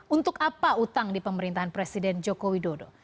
untuk apa utang di pemerintahan presiden jokowi dodo